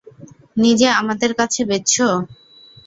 নিজে আমাদের কাছে বেচছো?